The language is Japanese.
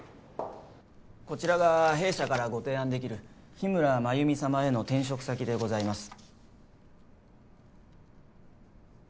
こちらが弊社からご提案できる日村繭美様への転職先でございます。